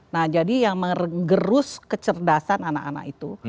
nah jadi yang mengerus kecerdasan anak anak itu